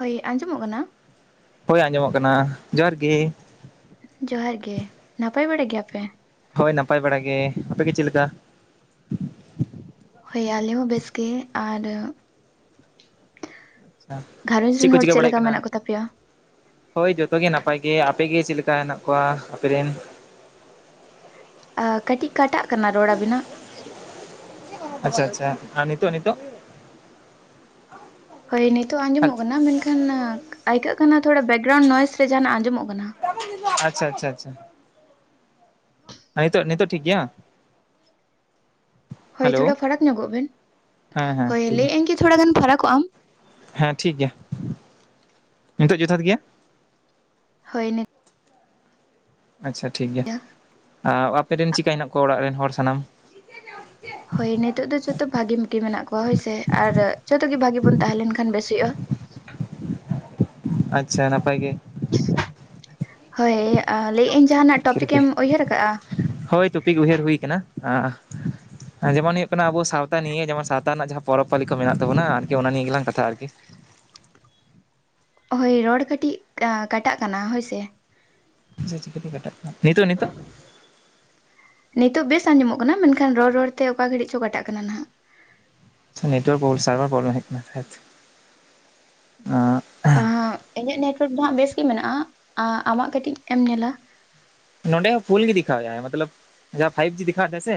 ᱦᱚᱭ ᱟᱸᱡᱚ ᱢᱚᱜ ᱠᱟᱱᱟ᱾ ᱦᱚᱭ ᱟᱸᱡᱚ ᱢᱚᱜ ᱠᱟᱱᱟ ᱡᱚᱦᱟᱨ ᱜᱮ᱾ ᱡᱚᱦᱟᱨ ᱜᱮ ᱱᱟᱯᱟᱭ ᱵᱟᱲᱟ ᱜᱮᱭᱟ ᱯᱮ᱾ ᱦᱚᱭ ᱱᱟᱯᱟᱭ ᱵᱟᱲᱟ ᱜᱮ ᱟᱯᱮ ᱜᱮ ᱪᱮᱫ ᱞᱮᱠᱟ᱾ ᱦᱚᱭ ᱟᱞᱮ ᱦᱚᱸ ᱵᱮᱥ ᱜᱮ ᱟᱨ ᱟᱪᱪᱷᱟ ᱜᱷᱟᱨᱚᱡᱽ ᱨᱤᱱ ᱦᱚᱲ ᱪᱮᱫ ᱞᱮᱠᱟ ᱢᱮᱱᱟᱜ ᱠᱚ ᱛᱟᱯᱮᱭᱟ᱾ ᱦᱚᱭ ᱡᱷᱚᱛᱚ ᱜᱮ ᱱᱟᱯᱟᱭ ᱜᱮ ᱟᱯᱮ ᱜᱮ ᱪᱮᱫ ᱞᱮᱠᱟ ᱦᱮᱱᱟᱜ ᱠᱚᱣᱟ ᱟᱯᱮ ᱨᱮᱱ᱾ ᱟ ᱠᱟᱹᱴᱤᱡ ᱠᱟᱴᱟᱜ ᱠᱟᱱᱟ ᱨᱚᱲ ᱟᱵᱤᱱᱟᱜ᱾ ᱟᱪᱪᱷᱟ ᱟᱪᱪᱷᱟ ᱟᱨ ᱱᱤᱛᱚᱜ ᱱᱤᱛᱚᱜ ᱦᱚᱭ ᱱᱤᱛᱚᱜ ᱟᱸᱡᱚ ᱢᱚᱜ ᱠᱟᱱᱟ ᱢᱮᱱ ᱠᱷᱟᱱ ᱟᱹᱭᱠᱟᱹᱜ ᱠᱟᱱᱟ ᱛᱷᱚᱲᱟ ᱵᱮᱠᱜᱨᱟᱣᱩᱱᱰ ᱱᱚᱭᱮᱥ ᱨᱮ ᱡᱟᱦᱟ ᱱᱟᱜ ᱟᱸᱡᱚ ᱢᱚᱜ ᱠᱟᱱᱟ᱾ [unintelligible] ᱟᱪᱪᱷᱟ ᱟᱪᱪᱷᱟ ᱟᱪᱪᱷᱟ ᱦᱮᱸ ᱱᱤᱛᱚᱜ ᱱᱤᱛᱚᱜ ᱴᱷᱤᱠ ᱜᱮᱭᱟ᱾ ᱦᱚᱭ ᱦᱮᱞᱳ ᱛᱷᱚᱲᱟ ᱯᱷᱟᱲᱟᱠ ᱧᱚᱜᱚᱜ ᱵᱤᱱ ᱦᱮᱸ ᱦᱮᱸ ᱦᱚᱭ ᱴᱷᱤᱠ ᱜᱮᱭᱟ ᱞᱟᱹᱭᱮᱜᱼᱟᱹᱧ ᱠᱤ ᱛᱷᱚᱲᱟ ᱜᱟᱱ ᱯᱷᱟᱲᱟᱠᱚᱜᱼᱟᱢ᱾ ᱦᱮᱸ ᱴᱷᱤᱠ ᱜᱮᱭᱟ ᱱᱤᱛᱚᱜ ᱡᱚᱛᱷᱟᱛ ᱜᱮᱭᱟ᱾ ᱦᱚᱭ ᱱᱤᱛ ᱟᱪᱪᱷᱟ ᱴᱷᱤᱠ ᱜᱮᱭᱟ ᱟᱯᱮᱨᱤᱱ ᱪᱤᱠᱟ ᱦᱮᱱᱟᱜ ᱠᱚᱣᱟ ᱚᱲᱟᱜ ᱨᱤᱱ ᱦᱚᱲ ᱥᱟᱱᱟᱢ ᱦᱚᱭ ᱱᱤᱛᱚᱜ ᱫᱚ ᱡᱚᱛᱚ ᱵᱷᱟᱜᱤᱢ ᱜᱮ ᱢᱮᱱᱟᱜ ᱠᱚᱣᱟ ᱦᱚᱭᱥᱮ ᱟᱨ ᱡᱚᱛᱚ ᱜᱮ ᱵᱷᱟᱜᱤ ᱵᱚᱱ ᱛᱟᱦᱮᱸ ᱞᱮᱱ ᱠᱷᱟᱱ ᱵᱮᱥ ᱦᱩᱭᱩᱜᱼᱟ᱾ ᱟᱪᱪᱷᱟ ᱱᱟᱯᱟᱭ ᱜᱮ ᱦᱚᱭ ᱞᱟᱹᱭᱮᱜᱼᱟᱹᱧ ᱡᱟᱦ ᱟᱱᱟᱜ ᱴᱚᱯᱤᱠ ᱮᱢ ᱩᱭᱦᱟᱹᱨ ᱟᱠᱟᱜᱼᱟ᱾ ᱦᱚᱭ ᱛᱚᱯᱤᱠ ᱩᱭᱦᱟᱹᱨ ᱦᱩᱭ ᱠᱟᱱᱟ ᱟᱸ ᱡᱮᱢᱚᱱ ᱦᱩᱭᱩᱜ ᱠᱟᱱᱟ ᱟᱵᱚ ᱥᱟᱶᱛᱟ ᱱᱤᱭᱟᱹ ᱡᱮ ᱥᱟᱶᱛᱟ ᱨᱮᱱᱟᱜ ᱡᱟᱦᱟᱸ ᱯᱚᱨᱚᱵᱽ-ᱯᱟᱹᱞᱤ ᱠᱚ ᱢᱮᱱᱟᱜ ᱛᱟᱵᱚᱱᱟ ᱟᱨᱠᱤ ᱚᱱᱟ ᱱᱤᱭᱟᱹ ᱜᱮᱞᱟᱝ ᱠᱟᱛᱷᱟᱜᱼᱟ ᱟᱨᱠᱤ ᱦᱚᱭ ᱨᱚᱲ ᱠᱟᱹᱴᱤᱡ ᱟᱸ ᱠᱟᱴᱟᱜ ᱠᱟᱱᱟ ᱦᱚᱭ ᱥᱮ ᱡᱮ ᱪᱤᱠᱟᱹᱛᱮ ᱠᱟᱴᱟᱜ ᱱᱤᱛᱚᱜ ᱱᱤᱛᱚᱜ ᱱᱤᱛᱚᱜ ᱵᱮᱥ ᱟᱸᱡᱚ ᱢᱚᱜ ᱠᱟᱱᱟ ᱢᱮᱱ ᱠᱷᱟᱱ ᱨᱚᱲ ᱨᱚᱲ ᱛᱮ ᱚᱠᱟ ᱜᱷᱟᱹᱲᱤᱡ ᱪᱚ ᱠᱟᱴᱟᱜ ᱠᱟᱱᱟ ᱱᱷᱟᱜ ᱱᱮᱴᱣᱟᱨᱠ ᱯᱨᱚᱵᱞᱮᱢ ᱥᱟᱨᱵᱷᱟᱨ ᱯᱨᱚᱵᱞᱮᱢ ᱦᱮᱡᱠᱟᱱᱟ [unintelligible] ᱟᱸᱜ ᱟᱸᱦᱟᱸᱜ ᱤᱧᱟᱹᱜ ᱱᱮᱴᱣᱟᱨᱠ ᱫᱚ ᱦᱟᱸᱜ ᱵᱮᱥ ᱜᱮ ᱢᱮᱱᱟᱜᱼᱟ, ᱟᱸ ᱟᱢᱟᱜ ᱠᱟᱹᱴᱤᱡ ᱮᱢ ᱧᱮᱞᱟ᱾ ᱱᱚᱸᱰᱮ ᱦᱚᱸ ᱯᱷᱩᱞ ᱜᱮ ᱫᱮᱠᱷᱟᱣᱮᱜᱼᱟᱭ ᱢᱚᱛᱞᱚᱵᱷ ᱡᱟᱦᱟᱸ ᱯᱷᱟᱭᱤᱵᱽ ᱡᱤ ᱫᱮᱠᱷᱟᱣᱮᱫ ᱛᱟᱦᱮᱸᱫ ᱥᱮ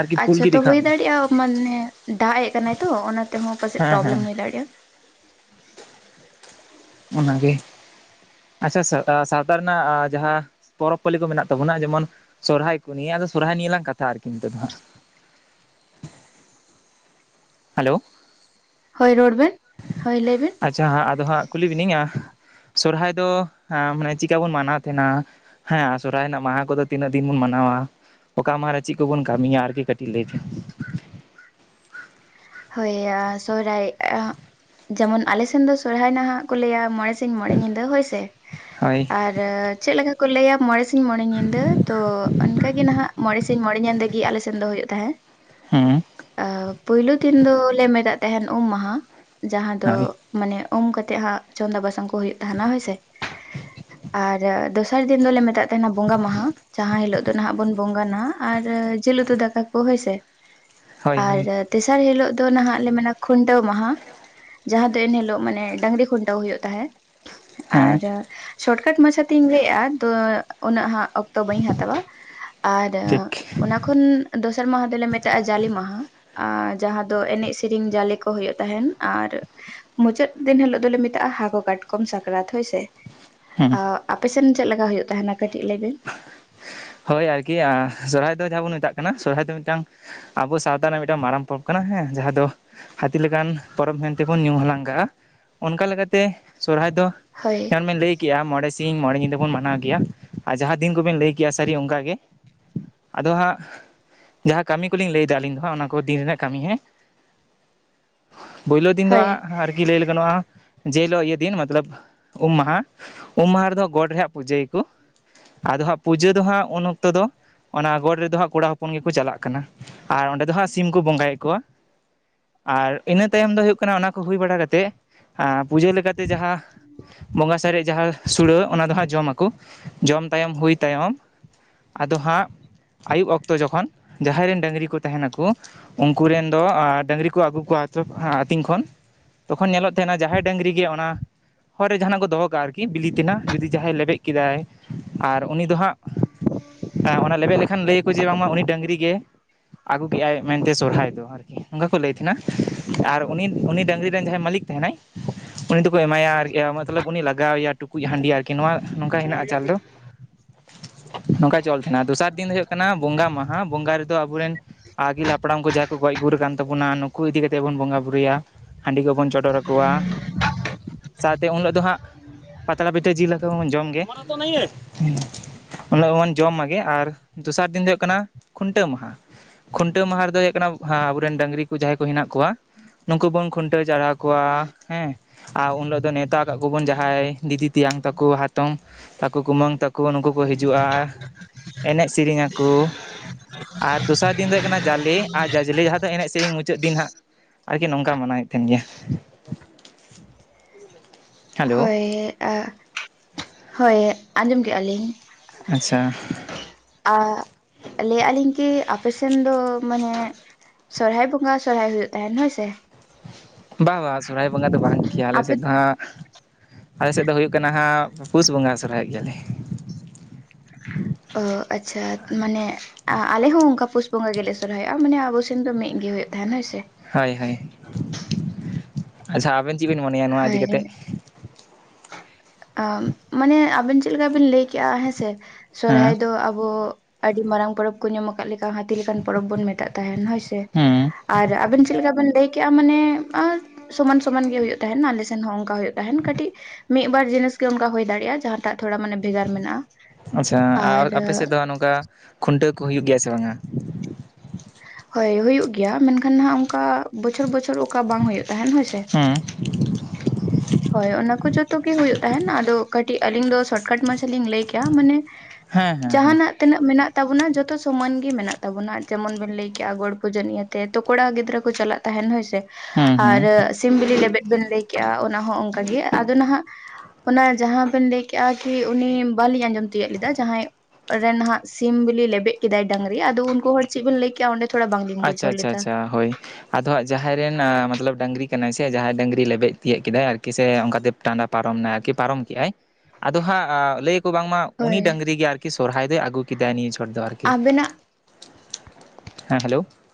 ᱟᱨᱠᱤ ᱯᱷᱩᱞ ᱟᱪᱪᱷᱟ ᱜᱮ ᱛᱚ ᱫᱮᱠᱷᱟᱣ ᱦᱩᱭ ᱮᱫᱟᱭ ᱫᱟᱲᱮᱭᱟᱜᱼᱟ ᱢᱟᱱᱮ ᱫᱟᱜ ᱮᱫ ᱠᱟᱱᱟᱭ ᱛᱚ ᱚᱱᱟ ᱛᱮᱦᱚᱸ ᱯᱟᱪᱷᱮᱫ ᱦᱮᱸ ᱯᱨᱚᱵᱞᱮᱢ ᱦᱮᱸ ᱦᱩᱭ ᱫᱟᱲᱮᱭᱟᱜᱼᱟ᱾ ᱚᱱᱟᱜᱮ᱾ ᱟᱪᱪᱷᱟ ᱥᱟ ᱟᱸ ᱥᱟᱶᱛᱟ ᱨᱮᱱᱟᱜ ᱡᱟᱦᱟᱸ ᱯᱚᱨᱚᱵ-ᱯᱟᱹᱞᱤ ᱠᱚ ᱢᱮᱱᱟᱜ ᱛᱟᱵᱚᱱᱟ ᱡᱮᱢᱚᱱ ᱥᱚᱨᱦᱟᱭ ᱠᱚ ᱱᱤᱭᱟ ᱟᱫᱚ ᱥᱚᱨᱦᱟᱭ ᱱᱤᱭᱟᱹ ᱞᱟᱝ ᱠᱟᱛᱷᱟᱜᱼᱟ ᱟᱨᱠᱤ ᱱᱤᱛᱚᱜ ᱫᱚ ᱦᱟᱸᱜ᱾ ᱦᱟᱞᱳ᱾ ᱦᱳᱭ ᱨᱚᱲ ᱵᱤᱱ, ᱦᱳᱭ ᱞᱟᱹᱭ ᱵᱤᱱ᱾ ᱟᱪᱪᱷᱟ ᱦᱟᱸᱜ ᱟᱫᱚ ᱦᱟᱸᱜ ᱠᱩᱞᱤ ᱵᱤᱱᱟᱹᱧ ᱟᱸᱦ ᱥᱚᱨᱦᱟᱭ ᱫᱚ ᱟᱸ ᱢᱟᱱᱮ ᱪᱤᱠᱟᱹ ᱵᱚᱱ ᱢᱟᱱᱟᱣ ᱛᱟᱦᱮᱸᱱᱟ? ᱦᱮᱸ ᱥᱚᱨᱦᱟᱭ ᱨᱮᱱᱟᱜ ᱢᱟᱦᱟᱸ ᱠᱚᱫᱚ ᱛᱤᱱᱟᱹᱜ ᱫᱤᱱ ᱵᱚᱱ ᱢᱟᱱᱟᱣᱟ? ᱚᱠᱟ ᱢᱟᱦᱟᱸ ᱨᱮ ᱪᱤᱜ ᱠᱚᱵᱚᱱ ᱠᱟᱹᱢᱤᱭᱟ ᱟᱨᱠᱤ ᱠᱟᱹᱴᱤᱡ ᱞᱟᱹᱭ ᱯᱷᱮᱱ᱾ ᱦᱚᱭ ᱟ ᱥᱚᱦᱨᱟᱭ ᱟᱸᱜ ᱡᱮᱢᱚᱱ ᱟᱞᱮ ᱥᱮᱱ ᱫᱚ ᱥᱚᱨᱦᱟᱭ ᱱᱟᱦᱟᱸᱜ ᱠᱚ ᱞᱟᱹᱭᱟ ᱢᱚᱬᱮ ᱥᱤᱧ ᱢᱚᱬᱮ ᱧᱤᱫᱟᱹ ᱦᱚᱭ ᱥᱮ? ᱦᱳᱭ᱾ ᱟᱨ ᱪᱮᱜ ᱞᱮᱠᱟ ᱠᱚ ᱞᱟᱹᱭᱟ ᱢᱚᱬᱮ ᱥᱤᱧ ᱢᱚᱬᱮ ᱧᱤᱫᱟᱹ ᱛᱚ ᱚᱱᱠᱟᱜᱮ ᱱᱟᱦᱟᱸᱜ ᱢᱚᱬᱮ ᱥᱤᱧ ᱢᱚᱬᱮ ᱧᱤᱫᱟᱹ ᱜᱤ ᱟᱞᱮ ᱥᱮᱱ ᱫᱚ ᱦᱩᱭᱩᱜ ᱛᱟᱦᱮᱸ᱾ ᱦᱩᱸ᱾ ᱟᱸ ᱯᱩᱭᱞᱩ ᱫᱤᱱ ᱫᱚᱞᱮ ᱢᱮᱛᱟᱜ ᱛᱟᱦᱮᱸᱱ ᱩᱢ ᱢᱟᱦᱟ, ᱡᱟᱦᱟᱸ ᱫᱚ ᱦᱳᱭ ᱢᱟᱱᱮ ᱩᱢ ᱠᱟᱛᱮᱜ ᱦᱟᱸᱜ ᱪᱚᱸᱫᱟ ᱵᱟᱥᱟᱝ ᱠᱩ ᱦᱩᱭᱩᱜ ᱛᱟᱦᱮᱸᱱᱟ ᱦᱳᱭ ᱥᱮ, ᱟᱨ ᱫᱚ ᱥᱟᱨ ᱫᱤᱱ ᱫᱚᱞᱮ ᱢᱮᱛᱟᱜ ᱛᱟᱦᱮᱸᱱᱟ ᱵᱚᱸᱜᱟ ᱢᱟᱦᱟ, ᱡᱟᱦᱟᱸ ᱦᱤᱞᱳᱜ ᱫᱚ ᱱᱟᱦᱟᱸᱜ ᱵᱚᱱ ᱵᱚᱸᱜᱟᱱᱟ᱾ ᱟᱨ ᱡᱤᱞ ᱩᱛᱩ ᱫᱟᱠᱟ ᱠᱚ ᱦᱳᱭᱥᱮ, ᱦᱳᱭ ᱟᱨ ᱦᱳᱭ ᱥᱟᱨ ᱦᱤᱞᱳᱜ ᱫᱚ ᱱᱟᱦᱟᱸᱜ ᱞᱮ ᱢᱮᱱᱟ ᱠᱷᱩᱱᱴᱟᱹᱣ ᱢᱟᱦᱟ᱾ ᱡᱟᱦᱟᱸ ᱫᱚ ᱮᱱᱦᱤᱞᱳᱜ ᱢᱟᱱᱮ ᱰᱟᱹᱝᱨᱤ ᱠᱷᱩᱱᱴᱟᱹᱣ ᱦᱩᱭᱩᱜ ᱛᱟᱦᱮᱸ᱾ ᱟᱨ ᱦᱮᱸ ᱥᱚᱴᱠᱟᱴ ᱢᱟᱪᱷᱟ ᱛᱮᱧ ᱞᱟᱹᱭᱮᱫᱼᱟ ᱛᱚ ᱩᱱᱟᱹᱜ ᱦᱟᱸᱜ ᱚᱠ ᱛᱚ ᱵᱟᱹᱧ ᱦᱟᱛᱟᱣᱼᱟ ᱟᱨ ᱴᱷᱤᱠ ᱚᱱᱟ ᱠᱷᱚᱱ ᱫᱚᱥᱟᱨ ᱢᱟᱦᱟ ᱫᱚᱞᱮ ᱢᱮᱛᱟᱜᱼᱟ ᱡᱟᱞᱮ ᱢᱟᱦᱟ, ᱟᱨ ᱡᱟᱦᱟᱸ ᱫᱚ ᱮᱱᱮᱡ ᱥᱤᱨᱤᱧ ᱡᱟᱞᱮ ᱠᱚ ᱦᱩᱭᱩᱜ ᱛᱟᱦᱮᱸᱱ, ᱟᱨ ᱢᱩᱪᱟᱹᱫ ᱫᱤᱱ ᱦᱤᱞᱳᱜ ᱫᱚᱞᱮ ᱢᱤᱛᱟᱜᱼᱟ ᱦᱟᱠᱳ ᱠᱟᱴᱠᱚᱢ ᱥᱟᱠᱨᱟᱛ ᱦᱳᱭᱥᱮ᱾ ᱦᱮᱸ ᱟᱸᱜ ᱟᱯᱮᱥᱮᱱ ᱪᱮᱫ ᱞᱮᱠᱟ ᱦᱩᱭᱩᱜ ᱛᱟᱦᱮᱸᱱᱟ ᱠᱟᱹᱴᱤᱡ ᱞᱟᱹᱭ ᱵᱤᱱ? ᱦᱳᱭ ᱟᱨᱠᱤ ᱟᱸ ᱥᱚᱨᱦᱟᱭ ᱫᱚ ᱡᱟᱦᱟᱸ ᱵᱚᱱ ᱢᱮᱛᱟᱜ ᱠᱟᱱᱟ ᱥᱚᱨᱦᱟᱭ ᱫᱚ ᱢᱤᱫᱴᱟᱝ ᱟᱵᱩ ᱥᱟᱶᱛᱟ ᱨᱮᱱᱟᱜ ᱢᱤᱫᱴᱟᱝ ᱢᱟᱨᱟᱝ ᱯᱚᱨᱚᱵᱽ ᱠᱟᱱᱟ ᱦᱮᱸ ᱡᱟᱦᱟᱸ ᱫᱚ ᱦᱟᱹᱛᱤ ᱞᱮᱠᱟᱱ ᱯᱚᱨᱚᱵᱽ ᱢᱮᱱᱛᱮᱵᱚᱱ ᱧᱩᱢ ᱦᱟᱞᱟᱝ ᱠᱟᱜᱼᱟ, ᱚᱱᱠᱟ ᱞᱮᱠᱟᱛᱮ ᱥᱚᱨᱦᱟᱭ ᱫᱚ ᱦᱳᱭ ᱡᱮᱢᱚᱱ ᱵᱮᱱ ᱞᱟᱹᱭ ᱠᱮᱜᱼᱟ ᱢᱚᱬᱮ ᱥᱤᱧ ᱢᱚᱬᱮ ᱧᱤᱫᱟᱹ ᱵᱚᱱ ᱢᱟᱱᱟᱣ ᱜᱮᱭᱟ, ᱟᱨ ᱡᱟᱦᱟᱸ ᱫᱤᱱ ᱠᱚᱵᱮᱱ ᱞᱟᱹᱭ ᱠᱮᱜᱼᱟ ᱥᱟᱹᱨᱤ ᱚᱱᱠᱟ ᱜᱮ, ᱟᱫᱚ ᱦᱟᱸᱜ ᱡᱟᱦᱟᱸ ᱠᱟᱹᱢᱤ ᱠᱚᱞᱤᱧ ᱞᱟᱹᱭ ᱫᱟ ᱟᱹᱞᱤᱧ ᱫᱚ ᱦᱟᱸᱜ ᱚᱱᱟ ᱠᱚ ᱫᱤᱱ ᱨᱮᱱᱟᱜ ᱠᱟᱹᱢᱤ ᱦᱮᱸ, ᱯᱳᱭᱞᱳ ᱫᱤᱱ ᱫᱚ ᱦᱳᱭ ᱦᱟᱸᱜ ᱟᱨᱠᱤ ᱞᱟᱹᱭ ᱜᱟᱱᱚᱜᱼᱟ ᱡᱮ ᱦᱞᱳᱜ ᱤᱭᱟᱹ ᱫᱤᱱ ᱢᱟᱛᱞᱟᱹᱵ ᱩᱢ ᱢᱟᱦᱟ ᱩᱢ ᱢᱟᱦᱟ ᱨᱮᱫᱚ ᱜᱚᱰ ᱨᱮ ᱦᱟᱸᱜ ᱯᱩᱡᱟᱹᱭᱟᱠᱚ᱾ ᱟᱫᱚ ᱦᱟᱸᱜ ᱯᱩᱡᱟᱹ ᱫᱚ ᱦᱟᱸᱜ ᱩᱱ ᱚᱠᱛᱚ ᱫᱚ ᱚᱱᱟ ᱜᱚᱰ ᱨᱮᱫᱚ ᱦᱟᱸᱜ ᱠᱚᱲᱟ ᱦᱚᱯᱚᱱ ᱜᱮᱠᱚ ᱪᱟᱞᱟᱜ ᱠᱟᱱᱟ᱾ ᱟᱨ ᱚᱸᱰᱮ ᱫᱚ ᱦᱟᱸᱜ ᱥᱤᱢ ᱠᱚ ᱵᱚᱸᱜᱟᱭᱮᱜ ᱠᱚᱣᱟ᱾ ᱟᱨ ᱤᱱᱟᱹ ᱛᱟᱭᱚᱢ ᱫᱚ ᱦᱩᱭᱩᱜ ᱠᱟᱱᱟ ᱚᱱᱟ ᱠᱚ ᱦᱩᱭ ᱵᱟᱲᱟ ᱠᱟᱛᱮᱜ ᱟᱸ ᱯᱩᱡᱟᱹ ᱞᱮᱠᱟᱛᱮ ᱡᱟᱦᱟᱸ ᱵᱚᱸᱜᱟ ᱥᱟᱨᱮᱡ ᱡᱟᱦᱟᱸ ᱥᱩᱲᱟᱹ ᱚᱱᱟ ᱫᱚ ᱦᱟᱸᱜ ᱡᱚᱢ ᱟᱠᱚ᱾ ᱡᱚᱢ ᱛᱟᱭᱚᱢ ᱦᱩᱭ ᱛᱟᱭᱚᱢ, ᱟᱫᱚ ᱦᱟᱸᱜ ᱟᱭᱩᱵ ᱚᱠᱛᱚ ᱡᱚᱠᱷᱚᱱ ᱡᱟᱦᱟᱸᱭ ᱨᱮᱱ ᱰᱟᱹᱝᱨᱤ ᱠᱚ ᱛᱟᱦᱮᱸᱱᱟᱠᱚ ᱩᱸᱠᱩ ᱨᱮᱱ ᱫᱚ ᱟ ᱰᱟᱺᱜᱽᱨᱤ ᱠᱚ ᱟᱹᱜᱩ ᱠᱚᱣᱟ ᱦᱚᱛᱞᱚᱵᱽ ᱟᱹᱛᱤᱧ ᱠᱷᱚᱱ, ᱛᱚᱠᱷᱚᱱ ᱧᱮᱞᱚᱜ ᱛᱮᱦᱮᱸᱱᱟ ᱡᱟᱦᱟᱸᱭ ᱰᱟᱺᱜᱽᱨᱤ ᱜᱮ ᱚᱱᱟ ᱦᱚᱨ ᱨᱮ ᱡᱟᱦᱟᱸᱱᱟᱜ ᱠᱚ ᱫᱚᱦᱚ ᱠᱟᱜᱼᱟ ᱟᱨᱠᱤ ᱵᱤᱞᱤ ᱛᱮᱱᱟᱜ ᱡᱩᱫᱤ ᱡᱟᱦᱟᱸᱭ ᱞᱮᱵᱮᱫ ᱠᱮᱫᱟᱭ, ᱟᱨ ᱩᱱᱤ ᱫᱚ ᱦᱟᱸᱜ ᱚᱱᱟ ᱞᱮᱵᱮᱫ ᱞᱮᱠᱷᱟᱱ ᱞᱟᱹᱭ ᱟᱹᱠᱩ ᱡᱮ ᱵᱟᱝ ᱢᱟ ᱩᱱᱤ ᱰᱟᱺᱜᱽᱨᱤ ᱜᱮ ᱟᱹᱜᱩ ᱠᱮᱜᱼᱟᱭ ᱢᱮᱱᱛᱮ ᱥᱚᱨᱦᱟᱭ ᱫᱚ, ᱟᱨᱠᱤ ᱚᱸᱠᱟ ᱠᱚ ᱞᱟᱹᱭ ᱛᱟᱦᱮᱸᱱᱟ ᱟᱨ ᱩᱱᱤ ᱩᱱᱤ ᱰᱟᱺᱜᱽᱨᱤ ᱨᱮᱱ ᱡᱟᱦᱟᱸᱭ ᱢᱟᱹᱞᱤᱠ ᱛᱟᱦᱮᱸᱱᱟᱭ ᱩᱱᱤ ᱫᱚᱠᱚ ᱮᱢᱟᱭᱟ ᱟᱨ ᱤᱭᱟᱹ ᱢᱟᱛᱞᱟᱵᱽ ᱩᱱᱤ ᱞᱟᱜᱟᱣ ᱟᱭᱟ ᱴᱩᱠᱩᱡ ᱦᱟᱺᱰᱤ ᱟᱨᱠᱤ ᱱᱚᱣᱟ ᱱᱚᱝᱠᱟ ᱦᱮᱱᱟᱜᱼᱟ ᱪᱟᱞ ᱫᱚ, [inaudible] ᱱᱚᱝᱠᱟ ᱪᱚᱞ ᱛᱟᱦᱮᱸᱱᱟ, ᱫᱚᱥᱟᱨ ᱫᱤᱱ ᱫᱚ ᱦᱩᱭᱩᱜ ᱠᱟᱱᱟ ᱵᱚᱸᱜᱟ ᱢᱟᱦᱟ ᱵᱚᱸᱜᱟ ᱨᱮᱫᱚ ᱟᱵᱳᱨᱮᱱ ᱟᱜᱤᱞ ᱦᱟᱯᱲᱟᱢ ᱠᱚ ᱡᱟᱦᱟᱸᱭ ᱠᱚ ᱜᱚᱡ ᱜᱩᱨ ᱠᱟᱱ ᱛᱟᱵᱚᱱᱟ, ᱱᱩᱠᱩ ᱤᱫᱤ ᱠᱟᱛᱮ ᱵᱚᱱ ᱵᱚᱸᱜᱟ ᱵᱩᱨᱩᱭᱟ ᱦᱟᱺᱰᱤ ᱠᱚᱵᱚᱱ ᱪᱚᱰᱚᱨ ᱟᱠᱚᱣᱟ, ᱥᱟᱶᱛᱮ ᱩᱱ ᱦᱤᱞᱳᱜ ᱫᱚ ᱦᱟᱸᱜ ᱯᱟᱛᱲᱟ ᱯᱤᱴᱷᱟᱹ ᱡᱤᱞ ᱦᱟᱠᱚ ᱵᱚᱱ ᱡᱚᱢ ᱜᱮ, ᱢᱚᱱᱚ ᱛᱚ ᱱᱟᱹᱦᱤ ᱦᱟᱭ, [inaudible] ᱩᱱ ᱦᱤᱞᱳᱜ ᱢᱟᱵᱚᱱ ᱡᱚᱢ ᱢᱟᱜᱮ ᱟᱨ ᱫᱚᱥᱟᱨ ᱫᱤᱱ ᱫᱚ ᱦᱩᱭᱩᱜ ᱠᱟᱱᱟ ᱠᱷᱩᱱᱴᱟᱹᱣ ᱢᱟᱦᱟ᱾ ᱠᱷᱩᱱᱴᱟᱹᱣ ᱢᱟᱦᱟ ᱨᱮᱫᱚ ᱦᱩᱭᱩᱜ ᱠᱟᱱᱟᱵ ᱟᱸ ᱟᱹᱵᱩᱨᱮᱱ ᱰᱟᱺᱜᱽᱨᱤ ᱠᱚ ᱡᱟᱦᱟᱸᱭ ᱠᱚ ᱦᱮᱱᱟᱜ ᱠᱚᱣᱟ ᱱᱩᱝᱠᱩ ᱵᱚᱱ ᱠᱷᱩᱱᱴᱟᱹᱣ ᱪᱟᱣᱨᱟᱣ ᱠᱚᱣᱟ ᱦᱮᱸ, ᱟ ᱩᱱ ᱦᱤᱞᱳᱜ ᱫᱚ ᱱᱮᱶᱛᱟ ᱦᱟᱠᱟᱫ ᱠᱚᱵᱚᱱ ᱡᱟᱦᱟᱸᱭ ᱫᱤᱫᱤ ᱛᱮᱭᱟᱝ ᱛᱟᱠᱚ ᱦᱟᱛᱚᱢ, ᱠᱩ ᱠᱩᱢᱟᱹᱝ ᱛᱟᱠᱚ ᱱᱩᱠᱩ ᱠᱚ ᱦᱤᱡᱩᱜᱼᱟ, ᱮᱱᱮᱡ ᱥᱤᱨᱤᱧ ᱟᱹᱠᱚ, ᱟᱨ ᱫᱚᱥᱟᱨ ᱫᱤᱱ ᱫᱚ ᱦᱩᱭᱩᱜ ᱠᱟᱱᱟ ᱡᱟᱞᱮ ᱟᱨ ᱡᱟᱡᱽᱞᱮ ᱡᱟᱦᱟᱸ ᱫᱚ ᱮᱱᱮᱡ ᱥᱤᱨᱤᱧ ᱢᱩᱪᱟᱹᱫ ᱫᱤᱱ ᱦᱟᱸᱜ, ᱟᱨᱠᱤ ᱱᱚᱝᱠᱟ ᱢᱟᱱᱟᱣ ᱦᱩᱭᱩᱜ ᱛᱟᱦᱮᱸᱱ ᱜᱮᱭᱟ᱾ [inaudible] ᱦᱮᱞᱳ ᱦᱳᱭᱻ ᱟ, ᱦᱳᱭ ᱟᱸᱡᱚᱢ ᱠᱮᱜᱼᱟ ᱞᱤᱧ᱾ [inaudible] ᱟᱪᱪᱷᱟ, ᱟᱻᱜ ᱞᱟᱹᱭ ᱭᱮᱜ ᱞᱤᱧ ᱠᱤ ᱟᱯᱮᱥᱮᱱ ᱫᱚ ᱢᱟᱱᱮᱜ ᱥᱚᱨᱦᱟᱭ ᱵᱚᱸᱜᱟ ᱥᱚᱨᱦᱟᱭ ᱦᱩᱭᱩᱜ ᱛᱟᱦᱮᱸᱱ ᱦᱳᱭ ᱥᱮ, ᱵᱟᱝ ᱵᱟ ᱥᱚᱨᱦᱟᱭ ᱵᱚᱸᱜᱟ ᱫᱚ ᱵᱟᱝ ᱠᱤ, ᱟᱞᱮ ᱟᱯᱮ ᱥᱮᱫ ᱫᱚ ᱦᱟᱸᱜ ᱟᱞᱮᱥᱮᱫ ᱫᱚ ᱦᱩᱭᱩᱜ ᱠᱟᱱᱟ ᱦᱟᱸᱜ ᱯᱩ ᱯᱩᱥ ᱵᱚᱸᱜᱟ ᱥᱚᱨᱦᱟᱭᱚᱜ ᱜᱮᱭᱟᱞᱮ, ᱚᱦᱚ, ᱟᱪᱪᱷᱟᱛ ᱢᱟᱱᱮᱜ ᱟ ᱟᱞᱮ ᱦᱚᱸ ᱚᱸᱠᱟ ᱯᱩᱥ ᱵᱚᱸᱜᱟ ᱜᱮᱞᱮ ᱥᱚᱨᱦᱟᱭᱚᱜ-ᱟ ᱢᱟᱱᱮ ᱟᱵᱚ ᱥᱮᱱ ᱫᱚ ᱢᱤᱜ ᱜᱮ ᱦᱩᱭᱩᱜ ᱛᱟᱦᱮᱸᱱ ᱦᱳᱭ ᱥᱮ ᱾ ᱦᱳᱭ ᱦᱳᱭ! ᱟᱪᱪᱷᱟ ᱟᱵᱮᱱ ᱪᱮᱜ ᱵᱤᱱ ᱢᱚᱱᱮᱭᱟ ᱱᱚᱣᱟ ᱤᱫᱤ ᱠᱟᱛᱮᱜ? [inaudible] ᱟᱻᱢ ᱢᱟᱱᱮ ᱟᱵᱮᱱ ᱪᱮᱜ ᱞᱮᱠᱟ ᱵᱤᱱ ᱞᱟᱹᱭ ᱠᱮᱜ-ᱟ ᱦᱮᱸᱥᱮ, ᱦᱮᱸ ᱥᱚᱨᱦᱟᱭ ᱫᱚ ᱟᱵᱚ ᱟᱹᱰᱤ ᱢᱟᱨᱟᱝ ᱯᱚᱲᱚᱯ, ᱠᱚ ᱧᱩᱢ ᱟᱠᱟᱫ ᱞᱮᱠᱟ ᱦᱟᱹᱛᱤ ᱞᱮᱠᱟᱱ ᱯᱚᱨᱚᱵᱽ ᱵᱚᱱ ᱢᱮᱛᱟᱜ ᱛᱟᱦᱮᱸᱱ ᱦᱳᱭ ᱥᱮ᱾ ᱦᱮᱸ ᱟᱨ ᱟᱵᱮᱱ ᱪᱮᱫ ᱞᱮᱠᱟ ᱵᱮᱱ ᱞᱟᱹᱭ ᱠᱮᱜ-ᱟ ᱢᱟᱱᱮ ᱟᱨ ᱥᱚᱢᱟᱱ ᱥᱚᱢᱟᱱ ᱜᱮ ᱦᱩᱭᱩᱜ ᱛᱟᱦᱮᱸᱱ ᱟᱞᱮ ᱥᱮᱱ ᱦᱚᱸ ᱚᱸᱠᱟ ᱦᱩᱭᱩᱜ ᱛᱟᱦᱮᱱ ᱠᱟᱹᱴᱤᱡ ᱢᱤᱫ ᱵᱟᱨ ᱡᱤᱱᱤᱥ ᱜᱮ ᱚᱱᱠᱟ ᱦᱩᱭ ᱫᱟᱲᱮᱭᱟᱜ-ᱟ ᱡᱟᱦᱟᱸ ᱴᱟᱜ ᱛᱷᱚᱲᱟ ᱢᱟᱱᱮ ᱵᱷᱮᱜᱟᱨ ᱢᱮᱱᱟᱜ-ᱟ, ᱟᱨ ᱱᱚᱠᱟ ᱠᱷᱩᱱᱴᱟᱹᱣ ᱠᱚ ᱦᱩᱭᱩᱜ ᱜᱮᱭᱟ ᱥᱮ ᱵᱟᱝ-ᱟ? ᱦᱳᱭ ᱦᱩᱭᱩᱜ ᱜᱮᱭᱟ, ᱢᱮᱱᱠᱷᱟᱱ ᱱᱷᱟᱜ ᱚᱸᱠᱟ ᱵᱚᱪᱷᱚᱨ ᱵᱚᱪᱷᱚᱨ ᱚᱠᱟ ᱵᱟᱝ ᱦᱩᱭᱩᱜ ᱛᱟᱦᱮᱸᱱ ᱦᱳᱭ ᱥᱮ, ᱦᱮᱸ ᱦᱳᱭ ᱚᱱᱟ ᱠᱚ ᱡᱚᱛᱚ ᱜᱮ ᱦᱩᱭᱩᱜ ᱛᱟᱦᱮᱸᱱ ᱟᱫᱚ ᱠᱟᱹᱴᱤᱜ ᱟᱹᱞᱤᱧ ᱫᱚ ᱥᱚᱴᱠᱟᱴ ᱢᱟᱪᱷᱟ ᱞᱤᱧ ᱞᱟᱹᱭ ᱠᱮᱜ-ᱟ ᱢᱟᱱᱮ ᱦᱮᱸ [inaudible] ᱦᱮᱸ ᱦᱮᱸ ᱡᱟᱦᱟᱸᱱᱟᱜ ᱛᱤᱱᱟᱹᱜ ᱢᱮᱱᱟᱜ ᱛᱟᱵᱚᱱᱟ ᱡᱚᱛᱚ ᱥᱚᱢᱟᱱ ᱜᱮ ᱢᱮᱱᱟᱜ ᱛᱟᱵᱚᱱᱟ, ᱡᱮᱢᱚᱱ ᱵᱮᱱ ᱞᱟᱹᱭ ᱠᱮᱜ-ᱟ ᱜᱚᱲ ᱯᱩᱡᱟᱹ ᱱᱤᱭᱟᱹ ᱛᱮ ᱛᱚ ᱠᱚᱲᱟ ᱜᱤᱫᱽᱨᱟᱹ ᱠᱚ ᱪᱟᱞᱟᱜ ᱛᱟᱦᱮᱸᱱ ᱦᱳᱭ ᱥᱮ, ᱦᱮᱸ ᱦᱮᱸ ᱟᱨ ᱥᱤᱢ ᱵᱤᱞᱤ ᱞᱮᱵᱮᱫ ᱵᱮᱱ ᱞᱟᱹᱭ ᱠᱮᱜ-ᱟ ᱚᱛ- ᱚᱱᱟ ᱦᱚᱸ ᱚᱝᱠᱟ ᱜᱮ ᱟᱫᱚ ᱱᱟᱦᱟᱜ ᱚᱱᱟ ᱡᱟᱦᱟᱸ ᱵᱮᱱ ᱞᱟᱹᱭ ᱠᱮᱜ-ᱟ ᱠᱤ ᱩᱱᱤ ᱵᱟᱹᱞᱤᱧ ᱟᱸᱡᱚᱢ ᱛᱤᱭᱟᱹᱜ ᱞᱮᱫᱟ, ᱡᱟᱦᱟᱸᱭ ᱨᱮ ᱱᱟᱸᱜ ᱥᱤᱢ ᱵᱤᱞᱤ ᱞᱮᱵᱮᱫ ᱠᱮᱫᱟᱭ ᱰᱟᱺᱜᱽᱨᱤ ᱟᱫᱚ ᱩᱱᱠᱩ ᱦᱚᱲ ᱪᱮᱜ ᱵᱤᱱ ᱞᱟᱹᱭ ᱠᱮᱜᱼᱟ ᱚᱸᱰᱮ ᱛᱷᱚᱲᱟ ᱵᱟᱝᱞᱤᱧ ᱟ ᱪᱪᱷᱟ ᱵᱩᱡᱷᱟᱹᱣ ᱟᱪᱪᱷᱟ ᱞᱮᱫᱟ ᱟᱪᱪᱷᱟ ᱦᱳᱭ, ᱟᱫᱚ ᱦᱟᱸᱜ ᱡᱟᱦᱟᱸᱭ ᱨᱮᱱ ᱢᱚᱛᱞᱚᱵ ᱰᱟᱹᱝᱨᱤ ᱠᱟᱱᱟᱭ ᱥᱮ ᱡᱟᱦᱟᱸᱭ ᱰᱟᱹᱝᱨᱤ ᱞᱮᱵᱮᱫ ᱛᱤᱭᱟᱹᱜ ᱠᱮᱫᱟᱭ ᱟᱨᱠᱤ ᱥᱮ ᱚᱱᱠᱟᱛᱮ ᱴᱟᱸᱰᱟ ᱯᱟᱨᱚᱢ ᱮᱱᱟᱭ ᱟᱨᱠᱤ ᱯᱟᱨᱚᱢ ᱠᱮᱜ-ᱟᱭ ᱾ ᱟᱫᱚ ᱦᱟᱸᱜ ᱞᱟᱹᱭ ᱟᱠᱚ ᱵᱟᱝᱢᱟ ᱩᱱᱤ ᱦᱳᱭ ᱰᱟᱹᱝᱨᱤ ᱜᱮ ᱟᱨᱠᱤ ᱥᱚᱨᱦᱟᱭ ᱫᱚᱭ ᱟᱹᱜᱩ ᱠᱮᱫᱟᱭ ᱱᱤᱭᱟᱹ ᱡᱷᱚᱴ ᱫᱚ ᱟᱨᱠ ᱤ᱾ ᱟᱵᱮᱱᱟᱜ [inaudible] ᱦᱮᱸ ᱦᱮᱞᱳ ᱾